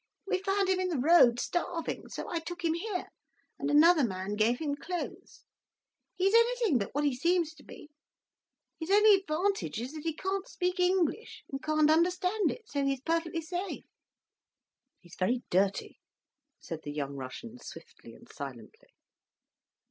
We found him in the road, starving. So I took him here, and another man gave him clothes. He's anything but what he seems to be—his only advantage is that he can't speak English and can't understand it, so he's perfectly safe." "He's very dirty," said the young Russian swiftly and silently.